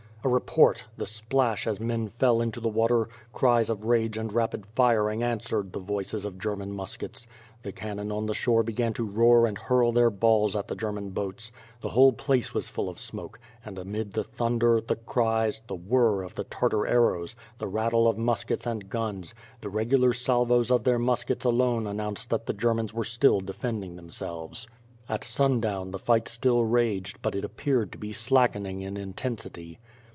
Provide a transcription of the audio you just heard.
A report! The splash as men fell into the water, cries of rage and rapid firing answered the voices of German muskets. The cannon on the shore began to roar and hurl their balls at the Cerman boats. The whole place was full of smoke — and amid the thunder, the cries, the whirr of the Tartar ar rows, the rattle of muskets and guns, the regular salvos of their muskets alone announced that the Germans were still defending themselves. 170 WifM PlRE AS't> iSWOkD. At sundown the fight still raged, but it appeared to be slackening in intensity.